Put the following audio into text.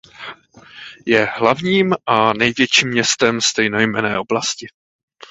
Je hlavním a největším městem stejnojmenné oblasti.